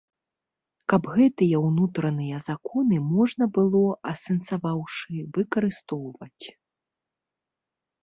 Каб гэтыя ўнутраныя законы можна было, асэнсаваўшы, выкарыстоўваць.